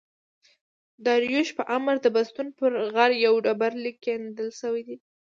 داریوش په امر د بستون پر غره یو ډبر لیک کیندل سوی دﺉ.